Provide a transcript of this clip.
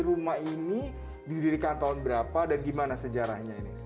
rumah ini didirikan tahun berapa dan gimana sejarahnya ini